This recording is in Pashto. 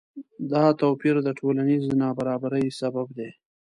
دا توپیر د ټولنیز نابرابری سبب دی.